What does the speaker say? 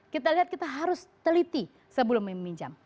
kita lihat kita harus teliti sebelum meminjam